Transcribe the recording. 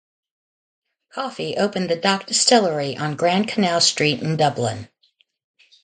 Coffey opened the Dock Distillery on Grand Canal Street in Dublin.